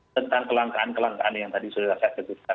tentang kelangkaan kelangkaan yang tadi sudah saya sebutkan